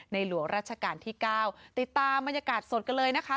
หลวงราชการที่๙ติดตามบรรยากาศสดกันเลยนะคะ